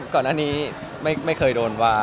ก็ก่อนอันนี้ไม่เคยโดนว่า